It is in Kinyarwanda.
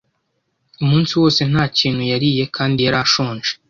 Umunsi wose nta kintu yariye kandi yari ashonje.